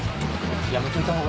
やめといた方が。